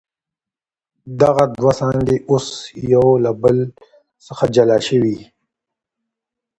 دغه دوه څانګي اوس يو له بل څخه جلا سوې.